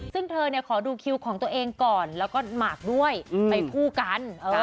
ซึ่งเธอขอดูคิวของตัวเองก่อนแล้วก็หมากด้วยไปคู่กัน